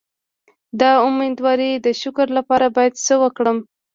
د امیدوارۍ د شکر لپاره باید څه وکړم؟